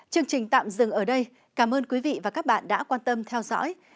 chương trình tạm dừng ở đây cảm ơn quý vị và các bạn đã quan tâm theo dõi